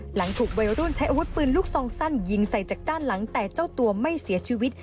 หลังถูกวัยรุ่นใช้อาวุธปืนลูกซองสั้นยิงใส่จากด้านหลังแต่เจ้าตัวไม่เสียชีวิต